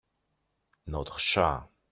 notre chat.